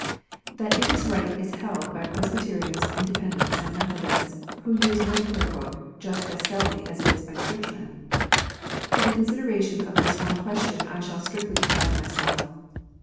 That it is right is held by Presbyterians, Independents, and Methodists, who use no Prayer book, just as stoutly as it is by Churchmen. To the consideration of this one question I shall strictly confine myself.